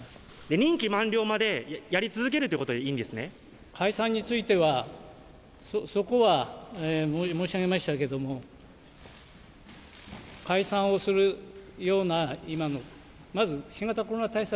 任期満了までやり続けるとい解散については、そこは申し上げましたけれども、解散をするような今の、まず新型コロナ対策